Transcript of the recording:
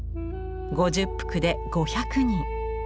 ５０幅で５００人。